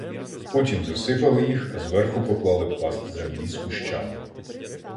Потім засипали їх, а зверху поклали пласт землі з кущами.